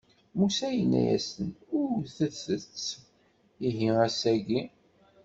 Musa yenna-yasen: wwtet-tt ihi, ass-agi.